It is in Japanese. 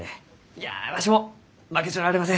いやわしも負けちょられません。